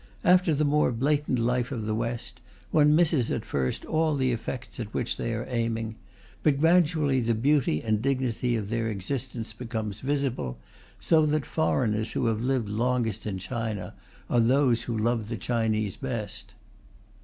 After the more blatant life of the West, one misses at first all the effects at which they are aiming; but gradually the beauty and dignity of their existence become visible, so that the foreigners who have lived longest in China are those who love the Chinese best.